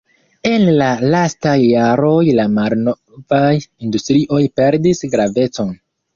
En la lastaj jaroj la malnovaj industrioj perdis gravecon.